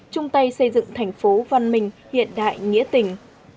chung tay xây dựng thành phố văn minh hiện đại nghĩa tình